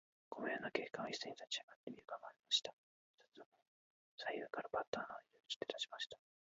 五名の警官はいっせいに立ちあがって、身がまえました。二つの懐中電燈の丸い光が、左右からパッと穴の入り口を照らしました。